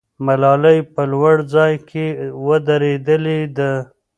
ملالۍ په لوړ ځای کې ودرېدلې ده.